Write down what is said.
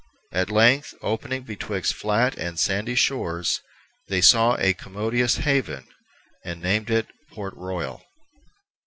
At length, opening betwixt flat and sandy shores, they saw a commodious haven, and named it Port Royal.